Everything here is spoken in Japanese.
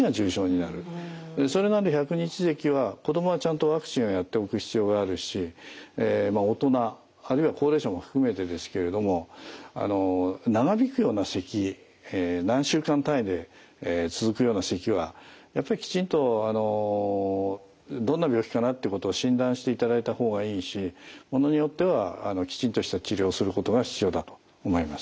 それまで百日ぜきは子どもはちゃんとワクチンをやっておく必要があるし大人あるいは高齢者も含めてですけれども長引くようなせき何週間単位で続くようなせきはやっぱりきちんとどんな病気かなってことを診断していただいた方がいいしものによってはきちんとした治療をすることが必要だと思います。